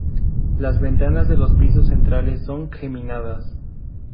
Las ventanas de los pisos centrales son geminadas.